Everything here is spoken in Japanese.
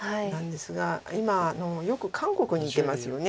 今よく韓国に行ってますよね。